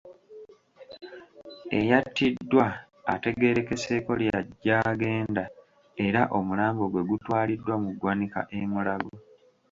Eyattiddwa ategeerekeseeko lya Gyagenda era omulambo gwe gutwaliddwa mu ggwanika e Mulago.